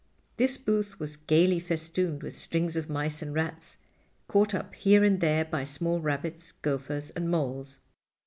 This booth was gaily festooned with strings of mice and rats, caught up here and there by small rabbits, gophers and moles.